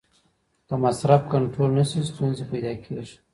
که مصرف کنټرول نسي ستونزي پیدا کیږي.